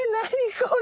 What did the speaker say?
これ。